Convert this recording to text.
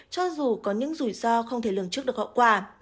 cho dù có những rủi ro không thể lường trước được hậu quả